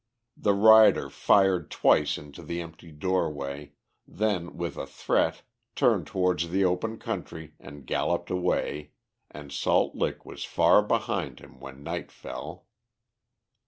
The rider fired twice into the empty doorway, then, with a threat, turned towards the open country and galloped away, and Salt Lick was far behind him when night fell.